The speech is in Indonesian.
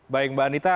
baik mbak anita